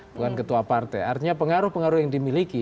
bukan ketua partai artinya pengaruh pengaruh yang dimiliki